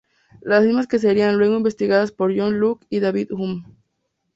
Las mismas que serán luego investigadas por John Locke y David Hume.